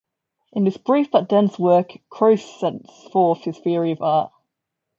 In this brief, but dense, work, Croce sets forth his theory of art.